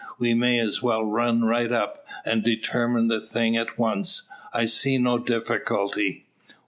We may as well run right up, and determine the thing at once. I see no difficulty."